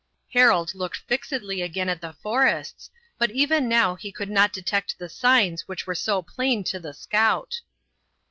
Harold looked fixedly again at the forests, but even now he could not detect the signs which were so plain to the scout.